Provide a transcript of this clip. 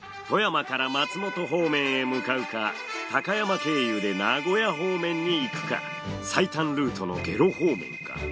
富山から松本方面へ向かうか高山経由で名古屋方面に行くか最短ルートの下呂方面か。